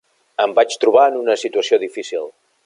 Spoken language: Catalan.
Em vaig trobar en una situació difícil.